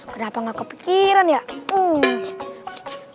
kenapa gak kepikiran ya